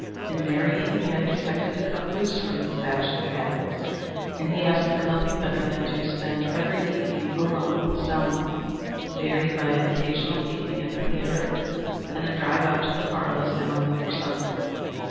In marrying he had expected to cut loose from his bachelor habits, and he asked for nothing better than to spend every evening alone with Selma, varied by an occasional evening at the theatre, and a drive out to the Farleys' now and then for supper.